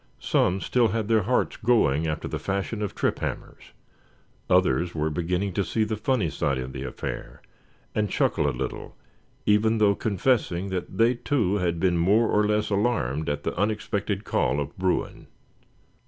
Some still had their hearts going after the fashion of trip hammers; others were beginning to see the funny side of the affair, and chuckle a little, even though confessing that they too had been more or less alarmed at the unexpected call of Bruin.